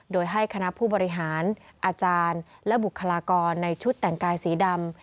โดยให้คณะผู้บริหารอาจารย์และบุคลากรในชุดแต่งกายสีดำ